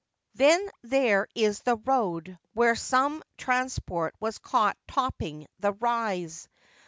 Then there is the road where some trans port was caught topping the rise.